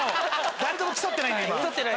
誰とも競ってないんで今。